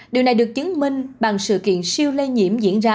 điều này được chứng minh bằng sự kiện siêu lây nhiễm diễn ra